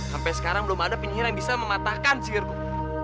sampai sekarang belum ada penyihir yang bisa mematahkan sihirku